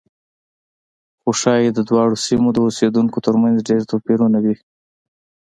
خو ښایي د دواړو سیمو د اوسېدونکو ترمنځ ډېر توپیرونه وي.